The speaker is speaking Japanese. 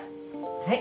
はい。